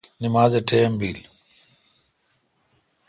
نماز ٹیم بیل۔